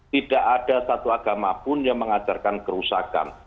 tidak ada satu agama pun yang mengajarkan kerusakan